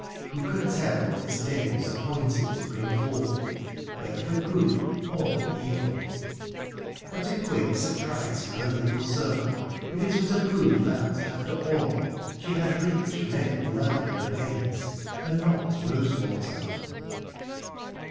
Who could tell what this day was appointed to bring forth, whether for good or for evil? What a quaint surprise for her little circle if it were to prove that, after all, she had rich, red blood in her veins, and not rose water!